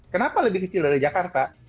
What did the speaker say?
kenapa lebih kecil dari jakarta